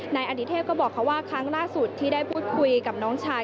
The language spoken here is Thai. นายอดิเทพก็บอกเขาว่าครั้งล่าสุดที่ได้พูดคุยกับน้องชาย